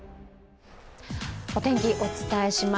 お天気、お伝えします。